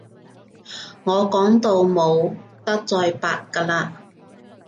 我講到冇得再白㗎喇